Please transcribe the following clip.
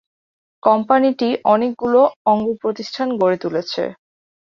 কোম্পানিটি অনেকগুলো অঙ্গ-প্রতিষ্ঠান গড়ে তুলেছে।